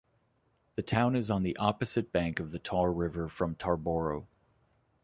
The town is on the opposite bank of the Tar River from Tarboro.